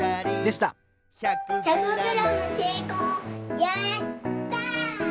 やった！